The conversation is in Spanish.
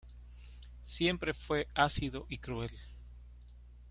Siempre fue ácido y cruel.